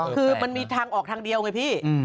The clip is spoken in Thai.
คือมันมีทางออกทางเดียวไงพี่